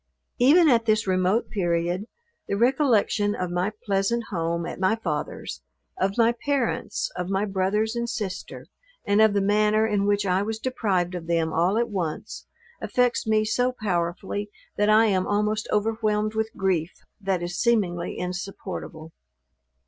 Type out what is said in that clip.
Even at this remote period, the recollection of my pleasant home at my father's, of my parents, of my brothers and sister, and of the manner in which I was deprived of them all at once, affects me so powerfully, that I am almost overwhelmed with grief, that is seemingly insupportable.